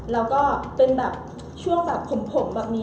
แล้วเป็นช่วงคลุมผมเหลือ